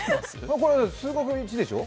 これ数学Ⅰでしょう。